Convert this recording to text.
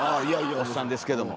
おっさんですけども。